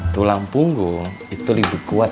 tulang punggung itu lebih kuat